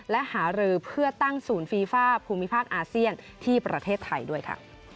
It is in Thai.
และหารือเพื่อตั้งศูนย์ฟีฟ่าภูมิภาคอาเซียนที่ประเทศไทยด้วยค่ะ